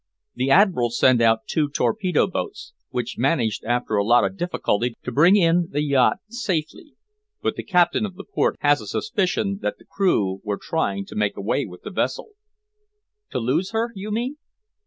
The Admiral sent out two torpedo boats, which managed after a lot of difficulty to bring in the yacht safely, but the Captain of the Port has a suspicion that the crew were trying to make away with the vessel." "To lose her, you mean?"